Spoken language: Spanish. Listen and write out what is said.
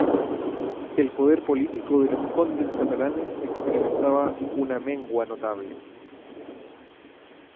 El poder político de los condes catalanes experimentaba una mengua notable.